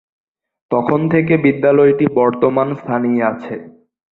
তখন থেকে বিদ্যালয়টি বর্তমান স্থানেই আছে।